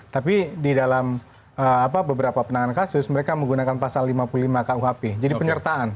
tapi di dalam beberapa penanganan kasus mereka menggunakan pasal lima puluh lima kuhp jadi penyertaan